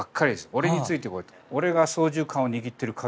俺についてこいと。